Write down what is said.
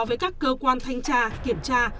với các cơ quan thanh tra kiểm tra